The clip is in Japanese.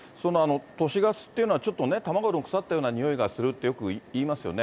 都市ガスっていうのは、ちょっと卵の腐ったような臭いがするってよくいいますよね。